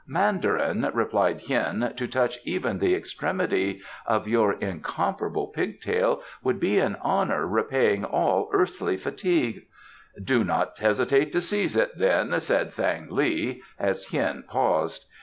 "Mandarin," replied Hien, "to touch even the extremity of your incomparable pig tail would be an honour repaying all earthly fatigue " "Do not hesitate to seize it, then," said Thang li, as Hien paused.